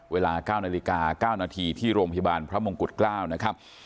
เวลา๙นาฬิกา๙นาทีที่โรงพยาบาลพระมงกุฎเกล้านะครับ